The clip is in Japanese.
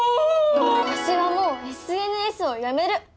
わしはもうＳＮＳをやめる！